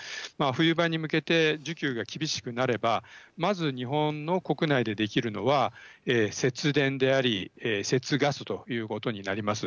冬場に向けて需給が厳しくなればまず、日本の国内でできるのは節電であり節ガスということになります。